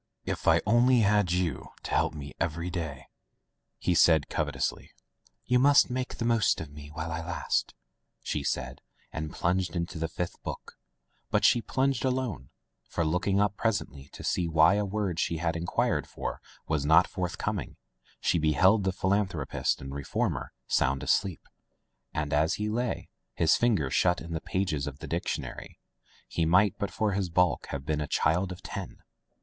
"If I only had you to help me every day,'* he said covetously. Digitized by LjOOQ IC Son of the Woods "You must make the most of me while I last/' she said, and plunged into the fifth book, but she plunged alone, for, looking up presently to see why a word she had inquired for was not forth coming, she beheld the philanthropist and reformer sound asleep, and as he lay, his finger shut in the pages of the dictionary, he might, but for his bulk, have been a child of ten.